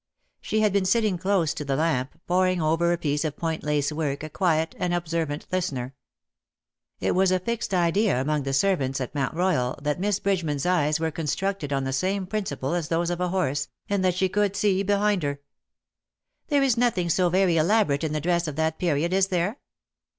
She had been sitting close to the lamp, poring over a piece of p)oint lace work, a quiet and observant listener. It w'as a fixed idea 4imong the servants at Mount Royal that Miss Bridgeman's eyes were constructed on the same principle as those of a horse, and that she could see behind her. " There is nothing so very elaborate in the dress of that period, is there